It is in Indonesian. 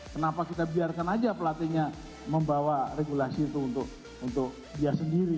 kenapa kita biarkan aja pelatihnya membawa regulasi itu untuk dia sendiri